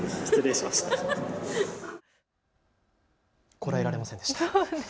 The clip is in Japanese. こらえられませんでした。